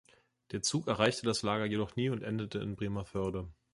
Der Zug erreichte das Lager jedoch nie und endete in Bremervörde.